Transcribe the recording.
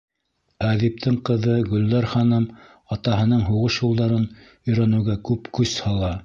Әҙиптең ҡыҙы Гөлдәр ханым атаһының һуғыш юлдарын өйрәнеүгә күп көс һала.